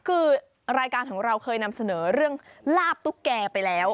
คือรายการของเราเคยนำเสนอเรื่องลาบตุ๊กแก่ไปแล้ว